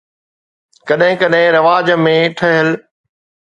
ڪڏهن ڪڏهن رواج ۾ ٺهيل